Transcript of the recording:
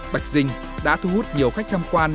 bạch dinh đã thu hút nhiều khách tham quan